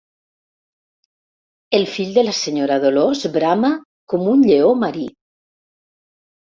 El fill de la senyora Dolors brama com un lleó marí.